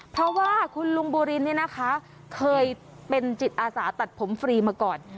เพราะว่าคุณลุงบูรินเนี่ยนะคะเคยเป็นจิตอาสาตัดผมฟรีมาก่อน